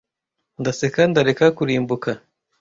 ndaseka ndareka kurimbuka